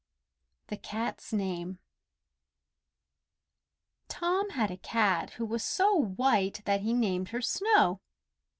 THE CAT'S NAME Tom had a cat who was so white that he named her Snow.